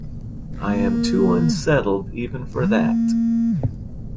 I am too unsettled even for that.